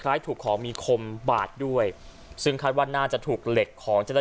ถูกของมีคมบาดด้วยซึ่งคาดว่าน่าจะถูกเหล็กของเจ้าหน้าที่